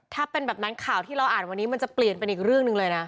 ถ้าเป็นแบบนั้นข่าวที่เราอ่านวันนี้มันจะเปลี่ยนเป็นอีกเรื่องหนึ่งเลยนะ